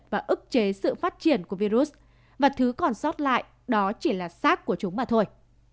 và ức chế sự phát triển của virus và thứ còn sót lại đó chỉ là sát của chúng mà thôi